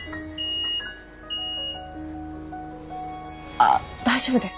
ああ大丈夫です。